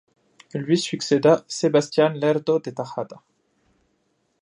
Lui succéda Sebastián Lerdo de Tejada.